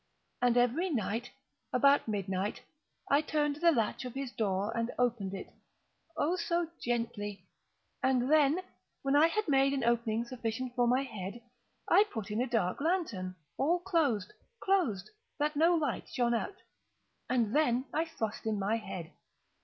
And every night, about midnight, I turned the latch of his door and opened it—oh, so gently! And then, when I had made an opening sufficient for my head, I put in a dark lantern, all closed, closed, that no light shone out, and then I thrust in my head.